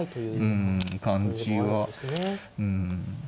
うん感じはうん。